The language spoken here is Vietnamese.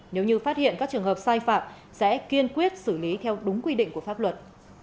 nếu như phát hiện các trường hợp sai phạm sẽ kiên quyết xử lý theo đúng quy định của pháp luật